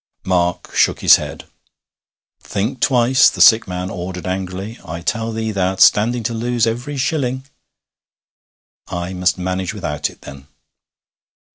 Mark shook his head. 'Think twice,' the sick man ordered angrily. 'I tell thee thou'rt standing to lose every shilling.' 'I must manage without it, then.'